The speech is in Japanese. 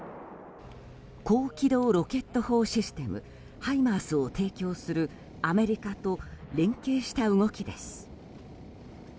高機動ロケット砲システムハイマースを提供するアメリカと連携した動きです。